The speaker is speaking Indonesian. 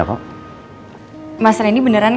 kayanya dia merurut